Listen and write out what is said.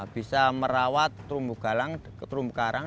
bisa merawat trumbu galang trumbu karang